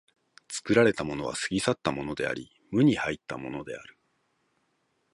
作られたものは過ぎ去ったものであり、無に入ったものである。